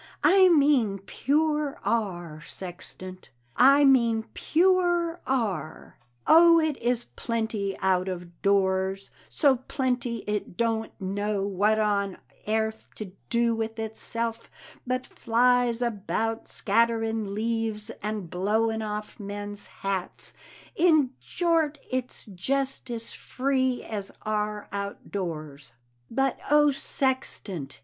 I mean pewer Are, Sextant, I mean pewer Are! O it is plenty out o' dores, so plenty it doant no What on airth to do with itself, but flize about Scatterin leaves and bloin off men's hats; In short its jest as free as Are out dores; But O Sextant!